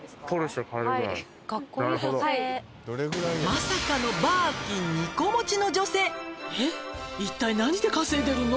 「まさかのバーキン２個持ちの女性」「いったい」